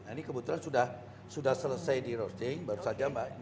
ini kebetulan sudah selesai di roasting baru saja mbak